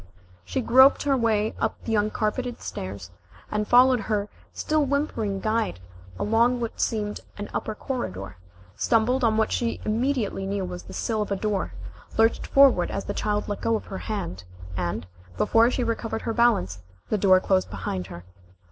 She groped her way up the uncarpeted stairs, and followed her still whimpering guide along what seemed an upper corridor, stumbled on what she immediately knew was the sill of a door, lurched forward as the child let go of her hand, and, before she recovered her balance, the door closed behind her.